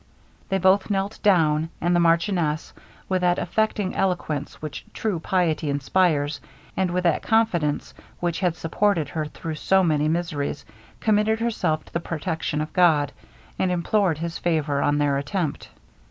They both knelt down; and the marchioness, with that affecting eloquence which true piety inspires, and with that confidence which had supported her through so many miseries, committed herself to the protection of God, and implored his favor on their attempt.